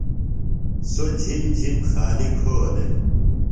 سوۡ جِھم جِھم خالیۡ کھو دےۡ۔ ۔